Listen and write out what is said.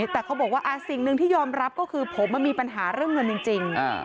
แต่เขาบอกว่าสิ่งหนึ่งที่ยอมรับก็คือผมมีปัญหาเรื่องเงินจริง